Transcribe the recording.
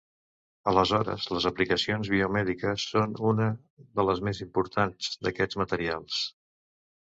Aleshores, les aplicacions biomèdiques són una de les més importants d’aquests materials.